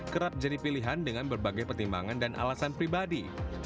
kerap jadi pilihan dengan berbagai pertimbangan dan alasan pribadi